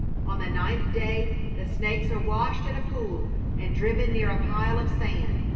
On the ninth day the snakes are washed in a pool and driven near a pile of sand.